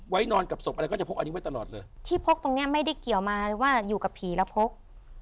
นอนกับศพอะไรก็จะพกอันนี้ไว้ตลอดเลยที่พกตรงเนี้ยไม่ได้เกี่ยวมาเลยว่าอยู่กับผีแล้วพก